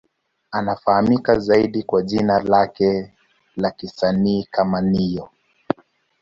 Anafahamika zaidi kwa jina lake la kisanii kama Ne-Yo.